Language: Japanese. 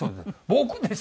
僕ですよ！